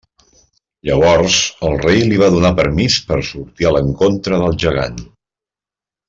Llavors, el rei li va donar permís per sortir a l'encontre del gegant.